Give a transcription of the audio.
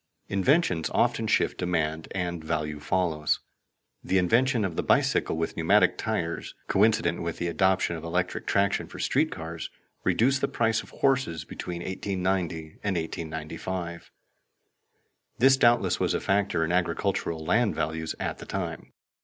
Inventions often shift demand, and value follows. The invention of the bicycle with pneumatic tires, coincident with the adoption of electric traction for street cars, reduced the price of horses between 1890 and 1895. This doubtless was a factor in agricultural land values at that time.